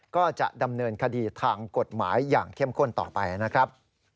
ก็จะดำเนินคดีทางกฎหมายอย่างเข้มข้นต่อไปนะครับ